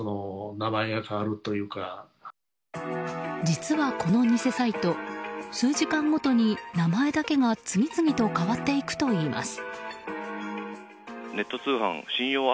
実は、この偽サイト数時間ごとに名前だけが次々と変わっていくといいます。